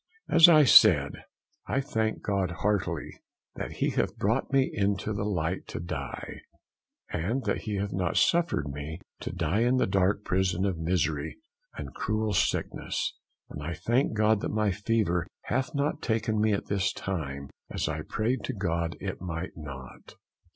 _ As I said, I thank God heartily, that he hath brought me into the light to die, and that he hath not suffer'd me to die in the dark prison of misery and cruel sickness; and I thank God that my fever hath not taken me at this time, as I prayed to God it might not.